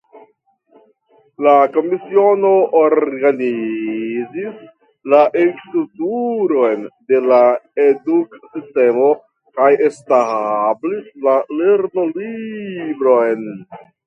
La Komisiono organizis la strukturon de la eduksistemo kaj establis la lernolibrojn.